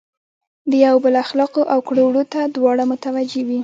د یو بل اخلاقو او کړو وړو ته دواړه متوجه وي.